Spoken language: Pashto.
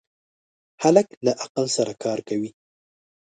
هلک له عقل سره کار کوي.